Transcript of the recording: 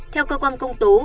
theo cơ quan công tố